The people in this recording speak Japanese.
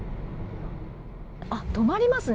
あ、止まりますね。